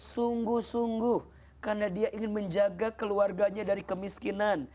sungguh sungguh karena dia ingin menjaga keluarganya dari kemiskinan